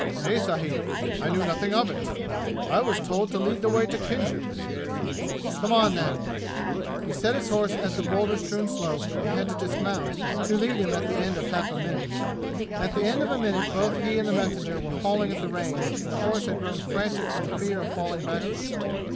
"Nay, sahib; I knew nothing of it! I was told to lead the way to Khinjan." "Come on, then!" He set his horse at the boulder strewn slope and had to dismount to lead him at the end of half a minute. At the end of a minute both he and the messenger were hauling at the reins and the horse had grown frantic from fear of falling backward.